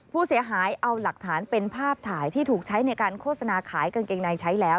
ผู้เสียหายเอาหลักฐานเป็นภาพถ่ายที่ถูกใช้ในการโฆษณาขายกางเกงในใช้แล้ว